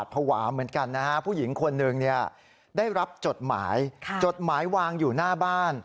ผู้หญิงคนหนึ่งได้รับจดหมายจดหมายวางอยู่หน้าบ้าน